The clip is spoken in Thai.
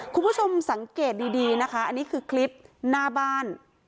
คุณผู้ชมสังเกตดีนะคะอันนี้คือคลิปหน้าบ้าน